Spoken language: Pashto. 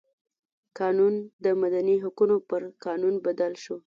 قانون د مدني حقونو پر قانون بدل شو.